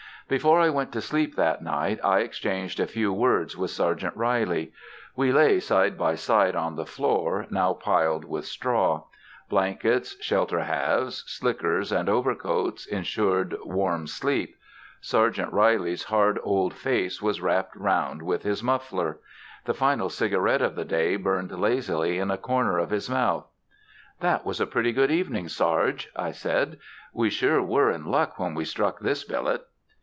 Before I went to sleep that night I exchanged a few words with Sergeant Reilly. We lay side by side on the floor, now piled with straw. Blankets, shelter halves, slickers and overcoats insured warm sleep. Sergeant Reilly's hard old face was wrapped round with his muffler. The final cigarette of the day burned lazily in a corner of his mouth. "That was a pretty good evening, Sarge," I said. "We sure were in luck when we struck this billet."